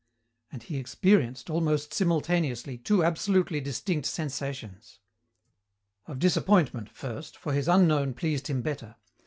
And he experienced, almost simultaneously, two absolutely distinct sensations. Of disappointment, first, for his unknown pleased him better.